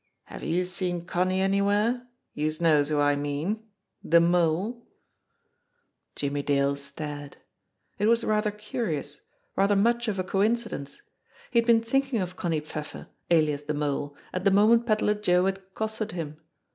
Have youse seen Connie anywhere, youse knows who I mean, deMole?" Jimmie Dale stared. It was rather curious, rather much of 78 JIMMIE DALE AND THE PHANTOM CLUE a coincidence! He had been thinking of Connie Pfeffer, alias the Mole, at the moment Pedler Joe had accosted him.